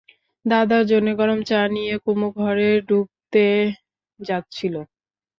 দাদার জন্যে গরম চা নিয়ে কুমু ঘরে ঢুকতে যাচ্ছিল।